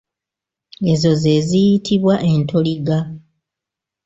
Ezo ze ziyitibwa entoliga.